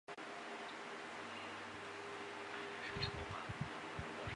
有的饿鬼则可能会保留前世的形象。